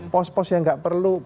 post post yang gak perlu